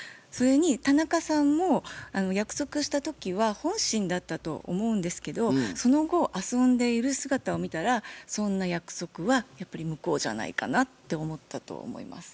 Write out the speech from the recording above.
それに田中さんも約束した時は本心だったと思うんですけどその後遊んでいる姿を見たらそんな約束はやっぱり無効じゃないかなって思ったと思います。